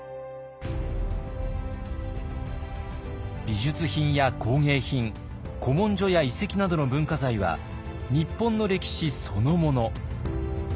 美術品や工芸品古文書や遺跡などの文化財は日本の歴史そのもの。